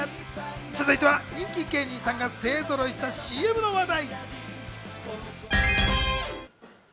続いては人気芸人さんが勢ぞろいしたＣＭの話題。